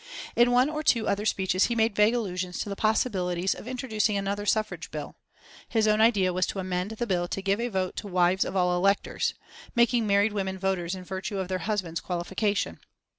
In one or two other speeches he made vague allusions to the possibilities of introducing another suffrage bill. His own idea was to amend the bill to give a vote to wives of all electors making married women voters in virtue of their husband's qualification.